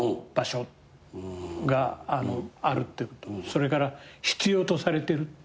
それから必要とされてるっていう。